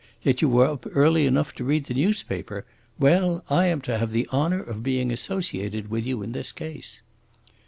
Yet you were up early enough to read the newspaper. Well, I am to have the honour of being associated with you in this case."